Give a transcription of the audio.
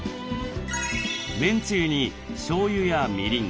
麺つゆにしょうゆやみりん